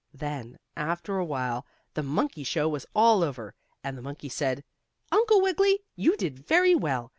Then, after a while, the monkey show was all over, and the monkey said: "Uncle Wiggily, you did very well.